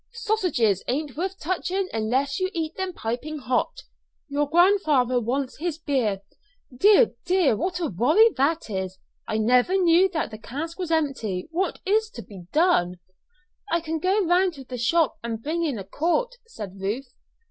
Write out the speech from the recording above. Sausages ain't worth touching unless you eat them piping hot. Your grandfather wants his beer. Dear, dear! What a worry that is! I never knew that the cask was empty. What is to be done?" "I can go round to the shop and bring in a quart," said Ruth.